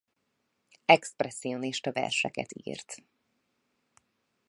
Expresszionista verseket írt.